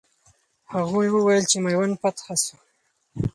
هغوی وویل چې میوند فتح سو.